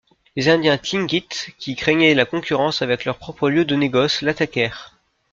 Les indiens Tlingits, qui craignaient la concurrence avec leurs propres lieux de négoce l'attaquèrent.